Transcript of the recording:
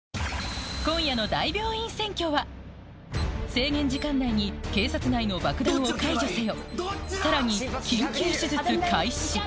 制限時間内に警察内の爆弾を解除せよさらに緊急手術開始